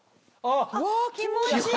うわ気持ちいい！